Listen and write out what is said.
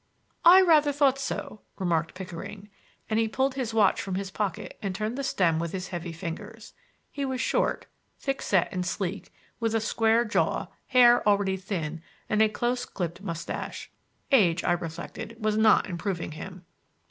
"I rather thought so," remarked Pickering,—and he pulled his watch from his pocket and turned the stem with his heavy fingers. He was short, thick set and sleek, with a square jaw, hair already thin and a close clipped mustache. Age, I reflected, was not improving him.